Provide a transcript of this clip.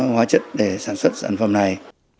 hóa chất để sản xuất sản phẩm này